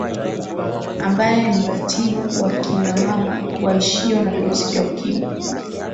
ambaye ni mratibu wa kinamama waishio na virusi vya ukimwi